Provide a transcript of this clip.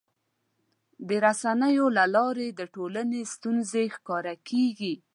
د رسنیو له لارې د ټولنې ستونزې ښکاره کېږي.